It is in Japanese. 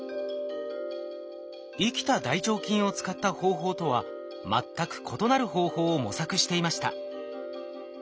生きた大腸菌を使った方法とは全く異なる方法を模索していました。